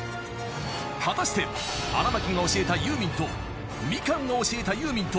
［果たして荒牧が教えたユーミンとみかんが教えたユーミンと］